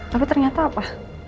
tapi ternyata apa